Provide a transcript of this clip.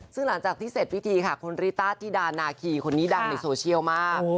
ซึ่งหลังจากที่เสร็จพิธีค่ะคุณริต้าธิดานาคีคนนี้ดังในโซเชียลมาก